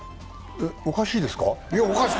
おかしいですか？